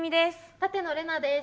舘野伶奈です。